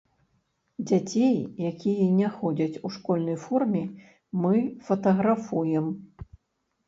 Дзяцей, якія не ходзяць у школьнай форме, мы фатаграфуем.